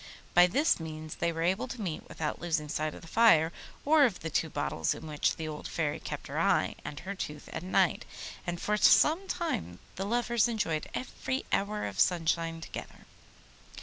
By this means they were able to meet without losing sight of the fire or of the two bottles in which the old Fairy kept her eye and her tooth at night, and for some time the lovers enjoyed every hour of sunshine together.